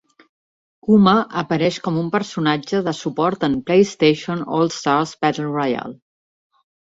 Kuma apareix com un personatge de suport en "PlayStation All-Stars Battle Royale".